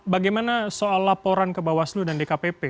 bagaimana soal laporan ke bawaslu dan dkpp